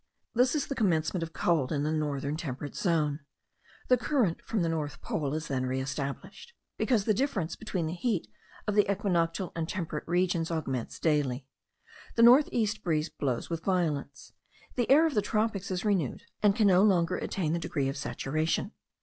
This is the commencement of cold in the northern temperate zone. The current from the north pole is then re established, because the difference between the heat of the equinoctial and temperate regions augments daily. The north east breeze blows with violence, the air of the tropics is renewed, and can no longer attain the degree of saturation.